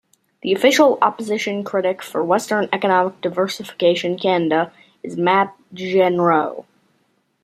The Official Opposition Critic for Western Economic Diversification Canada is Matt Jeneroux.